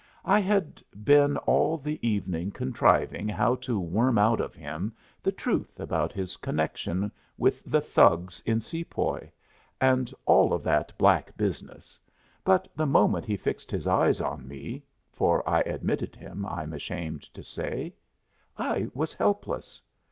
I had been all the evening contriving how to worm out of him the truth about his connection with the Thugs in Sepoy, and all of that black business, but the moment he fixed his eyes on me (for I admitted him, I'm ashamed to say) I was helpless.